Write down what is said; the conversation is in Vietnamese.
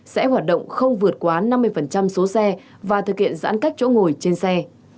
sẽ hoạt động không vượt quá năm mươi số xe và thực hiện giãn cách chỗ ngồi trên xe